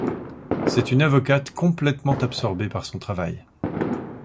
C'est une avocate complètement absorbée par son travail.